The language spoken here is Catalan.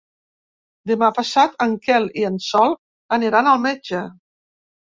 Demà passat en Quel i en Sol aniran al metge.